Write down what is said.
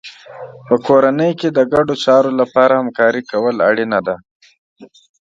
په کورنۍ کې د ګډو چارو لپاره همکاري کول اړینه ده.